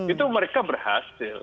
itu mereka berhasil